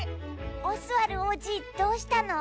オスワルおうじどうしたの？